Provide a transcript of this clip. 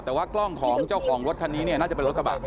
แต่ว่ากล้องของเจ้าของรถคันนี้เนี่ยน่าจะเป็นรถกระบะ